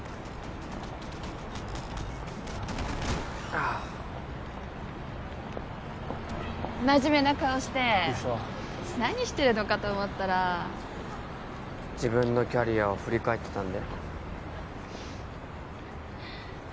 ああっ真面目な顔してビックリした何してるのかと思ったら自分のキャリアを振り返ってたんだよ